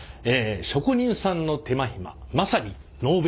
職人さんの手間暇まさにノーベル賞！